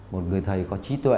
một người thầy có trí tuệ